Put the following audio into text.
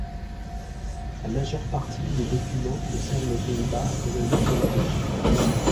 La majeure partie des documents concernent les Pays-Bas et le nord de la Belgique.